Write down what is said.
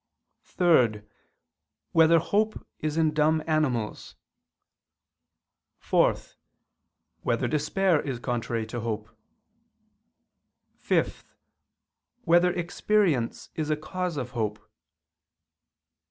(3) Whether hope is in dumb animals? (4) Whether despair is contrary to hope? (5) Whether experience is a cause of hope?